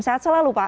sehat selalu pak